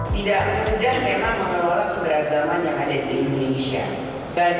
tidak mudah memang mengelola keberagaman yang ada di indonesia